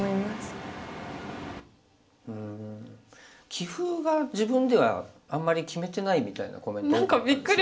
棋風が自分ではあんまり決めてないみたいなコメント多かったですよね。